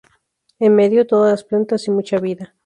En medio, todas las plantas y mucha vida".